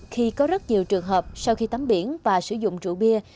khi có rất nhiều trường hợp sau khi tắm biển và sử dụng rượu bia